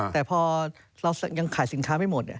แต่พอเรายังขายสินค้าไม่หมด